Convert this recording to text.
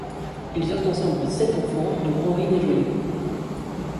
Ils eurent ensemble sept enfants, dont Henri Desjoyeaux.